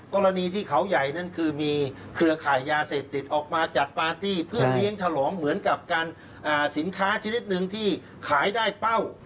กรณีที่เขาใหญ่นั้นคือมีเครือข่ายยาเสพติดออกมาจัดปาร์ตี้เพื่อเลี้ยงฉลองเหมือนกับการสินค้าชนิดหนึ่งที่ขายได้เป้า